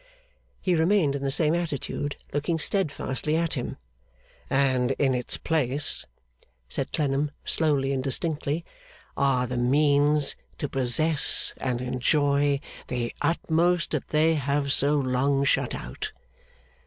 He remained in the same attitude, looking steadfastly at him. 'And in its place,' said Clennam, slowly and distinctly, 'are the means to possess and enjoy the utmost that they have so long shut out.